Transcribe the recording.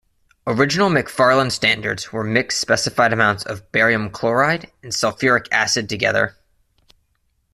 Original McFarland standards were mixing specified amounts of barium chloride and sulfuric acid together.